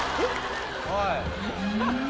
おい。